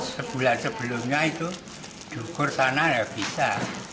sebulan sebelumnya itu dukur sana ya bisa